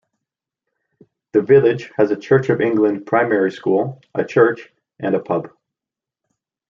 The village has a Church of England Primary School, a church and a pub.